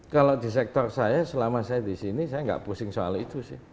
kalau di sektor saya selama saya disini saya gak pusing soal itu sih